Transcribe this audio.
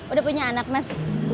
udah punya anak mas